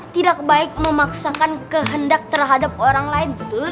tidak baik memaksakan kehendak terhadap orang lain betul